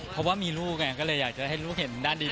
เพราะว่ามีลูกไงก็เลยอยากจะให้ลูกเห็นด้านดี